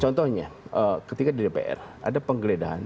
contohnya ketika di dpr ada penggeledahan